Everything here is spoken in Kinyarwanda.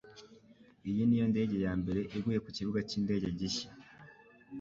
Iyi niyo ndege yambere iguye kukibuga cyindege gishya.